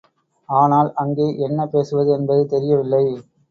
ஆனால் அங்கே என்ன பேசுவது என்பது தெரியவில்லை.